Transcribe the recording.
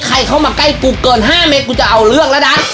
ใครเข้ามาใกล้กูเกิน๕เมตรกูจะเอาเรื่องแล้วนะ